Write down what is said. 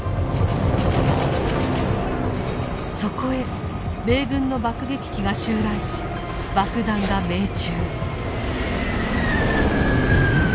そこへ米軍の爆撃機が襲来し爆弾が命中。